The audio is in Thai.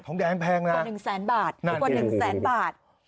ทองแดงแพงนะกว่า๑๐๐๐๐๐บาท